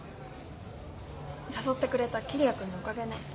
誘ってくれた桐矢君のおかげね。